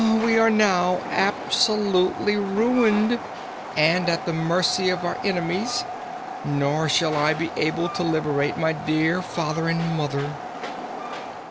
"We are now absolutely ruined, and at the mercy of our enemies. Nor shall I be able to liberate my dear father and mother."